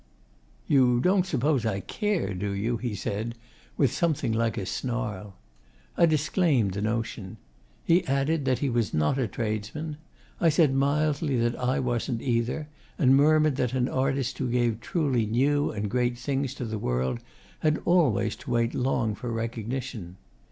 'You don't suppose I CARE, do you?' he said, with something like a snarl. I disclaimed the notion. He added that he was not a tradesman. I said mildly that I wasn't, either, and murmured that an artist who gave truly new and great things to the world had always to wait long for recognition.